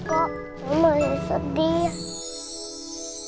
kamu masih sedih